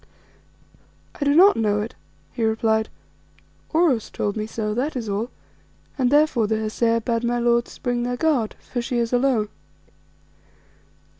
"I do not know it," he replied. "Oros told me so, that is all, and therefore the Hesea bade my lords bring their guard, for she is alone."